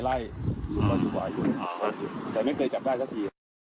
ไม่เคยจับได้